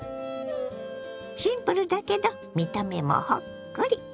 シンプルだけど見た目もほっこり。